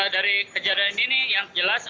dari kejadian ini yang jelas